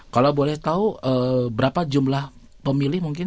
kalau boleh tahu berapa jumlah pemilih mungkin